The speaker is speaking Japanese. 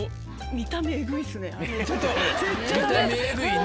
見た目えぐいね。